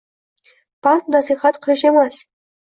Pand-nasihat qilish emas.